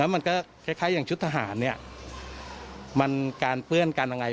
มันก็คล้ายอย่างชุดทหารมันการเปลื้อนกันอย่างไร